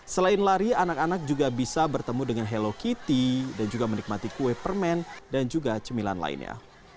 selain lari anak anak juga bisa bertemu dengan hello kitty dan juga menikmati kue permen dan juga cemilan lainnya